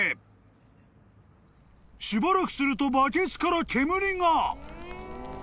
［しばらくするとバケツから煙が］